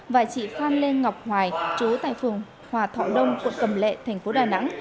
và chị phan lê ngọc hoài chú tại phường hòa thọ đông quận cầm lệ thành phố đà nẵng